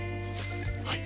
はい。